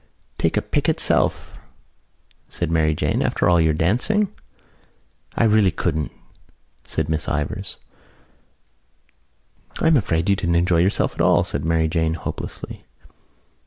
"To take a pick itself," said Mary Jane, "after all your dancing." "I really couldn't," said Miss Ivors. "I am afraid you didn't enjoy yourself at all," said Mary Jane hopelessly.